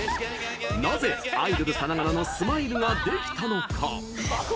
なぜアイドルさながらのスマイルができたのか？